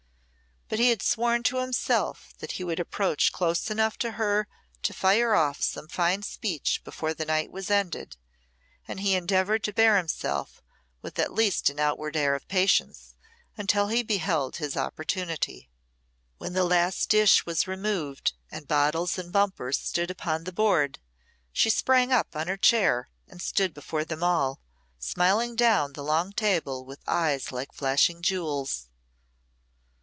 But he had sworn to himself that he would approach close enough to her to fire off some fine speech before the night was ended, and he endeavoured to bear himself with at least an outward air of patience until he beheld his opportunity. When the last dish was removed and bottles and bumpers stood upon the board, she sprang up on her chair and stood before them all, smiling down the long table with eyes like flashing jewels.